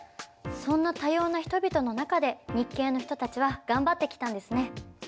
そんな多様な人々の中で日系の人たちは頑張ってきたんですね。